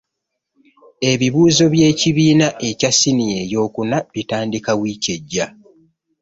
Ebibuuzo by'ekibiina ekya siniya ey'okuna bitandika wiiki ejja.